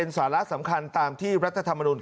คุณสิริกัญญาบอกว่า๖๔เสียง